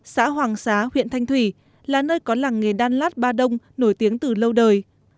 xã hoàng xá huyện thanh thủy là nơi có làng nghề đan lát ba đông nổi tiếng từ lâu đời